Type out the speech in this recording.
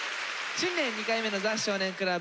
新年２回目の「ザ少年倶楽部」